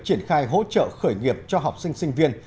triển khai hỗ trợ khởi nghiệp cho học sinh sinh viên